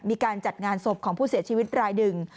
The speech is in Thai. มีการจัดงานศพของผู้เสียชีวิตรายหนึ่ง